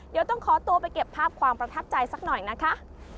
เดี๋ยวต้องขอตัวไปเก็บภาพความประทับใจสักหน่อยนะคะ